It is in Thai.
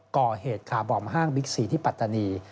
ก่อเหตุขาบอมห้างวิทยุ๔ที่ปัตตานี